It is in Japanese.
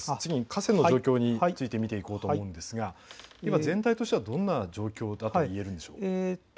河川の状況について見ていきたいと思いますが今、全体としてはどんな状況でしょうか。